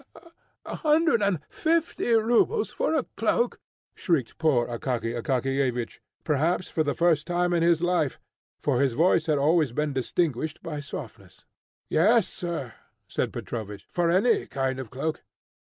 "A hundred and fifty rubles for a cloak!" shrieked poor Akaky Akakiyevich, perhaps for the first time in his life, for his voice had always been distinguished for softness. "Yes, sir," said Petrovich, "for any kind of cloak.